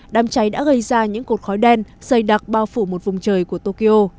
đám cháy đã gây ra những cột khói đen dày đặc bao phủ một vùng trời của tokyo